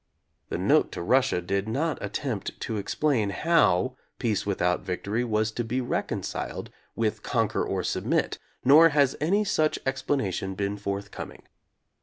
The note to Rus sia did not attempt to explain how "peace without victory" was to be reconciled with "conquer or submit," nor has any such explanation been forth coming.